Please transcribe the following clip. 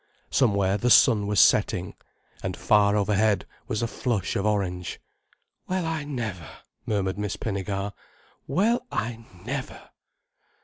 Somewhere the sun was setting, and far overhead was a flush of orange. "Well I never!" murmured Miss Pinnegar. "Well I never!"